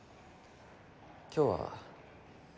今日は。